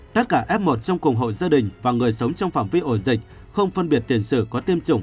tất cả f một trong cùng hội gia đình và người sống trong phạm vi ổ dịch không phân biệt tiền sử có tiêm chủng